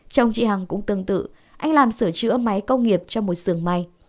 chồng chị hằng cũng tương tự anh làm sửa chữa máy công nghiệp cho một sưởng may